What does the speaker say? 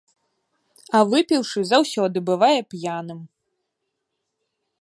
А выпіўшы заўсёды бывае п'яным.